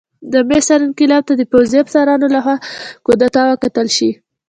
د مصر انقلاب ته د پوځي افسرانو لخوا کودتا وکتل شي.